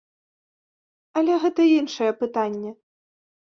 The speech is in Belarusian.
Але гэта іншае пытанне.